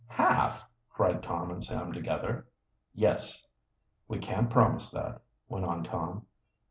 "Half!" cried Tom and Sam together. "Yes." "We can't promise that," went on Tom.